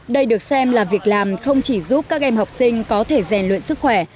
đây được xem là việc làm không chỉ giúp các em học sinh có thể rèn luyện sức khỏe